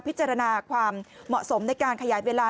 พิจารณาความเหมาะสมในการขยายเวลา